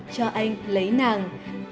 cho anh lấy nàng